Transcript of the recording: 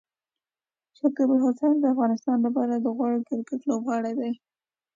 شکيب الحسن د افغانستان لپاره د غوره کرکټ لوبغاړی دی.